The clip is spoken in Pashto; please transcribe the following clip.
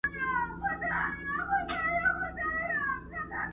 چا او چا بايللى لاس او سترگه دواړه!.